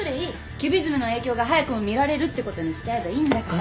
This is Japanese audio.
キュビズムの影響が早くも見られるってことにしちゃえばいいんだから。